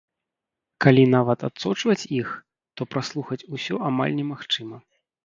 Калі, нават, адсочваць іх, то праслухаць усё амаль немагчыма.